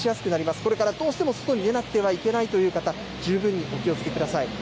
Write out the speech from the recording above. これからどうしても外に出なくてはいけないという方じゅうぶんにお気をつけください。